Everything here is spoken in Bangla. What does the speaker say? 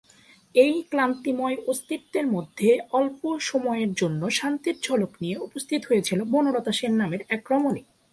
এই ক্লান্তিময় অস্তিত্বের মধ্যে অল্প সময়ের জন্য শান্তির ঝলক নিয়ে উপস্থিত হয়েছিল বনলতা সেন নামের এক রমণী।